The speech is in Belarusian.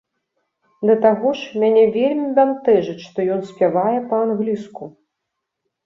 Да таго ж, мяне вельмі бянтэжыць, што ён спявае па-англійску.